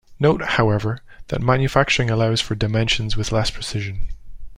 Note, however, that manufacturing allows for dimensions with less precision.